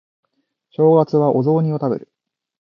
お正月はお雑煮を食べる